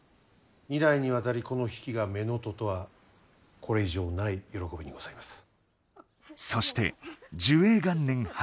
二代にわたりこの比企が乳母とはこれ以上ない喜びにございます。